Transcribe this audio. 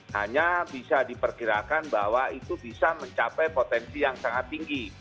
hanya bisa diperkirakan bahwa itu bisa mencapai potensi yang sangat tinggi